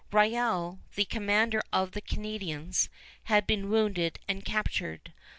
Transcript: Riall, the commander of the Canadians, had been wounded and captured.